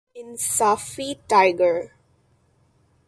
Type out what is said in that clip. انصافی ٹائگر